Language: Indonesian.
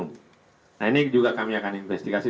nah ini juga kami akan investigasi